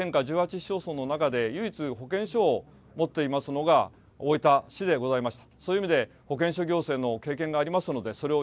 市町村の中で、唯一、保健所を持っていますのが、大分市でございました。